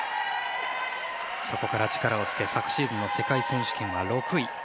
そこから力をつけ昨シーズンの世界選手権は６位。